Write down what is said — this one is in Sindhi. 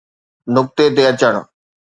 نقطي تي اچڻ.